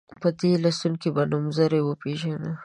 په دې لوست کې به نومځري وپيژنو.